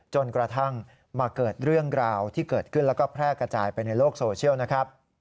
จนกระทั่งมาเกิดเรื่องราวที่เกิดขึ้นแล้วก็แพร่กระจายไปในโลกโซเชียลนะครับ